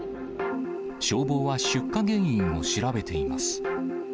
消防は出火原因を調べています。